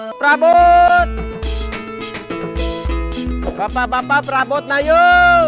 assalamu alaikum warahmatullahi wabarakatuh